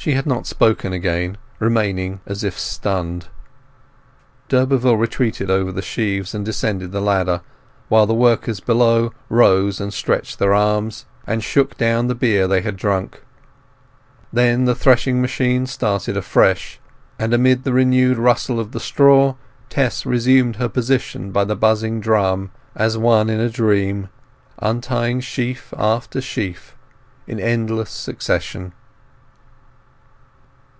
She had not spoken again, remaining as if stunned. D'Urberville retreated over the sheaves, and descended the ladder, while the workers below rose and stretched their arms, and shook down the beer they had drunk. Then the threshing machine started afresh; and amid the renewed rustle of the straw Tess resumed her position by the buzzing drum as one in a dream, untying sheaf after sheaf in endless succession.